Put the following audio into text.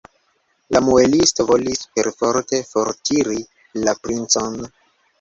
La muelisto volis perforte fortiri la princon.